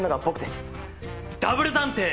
ダブル探偵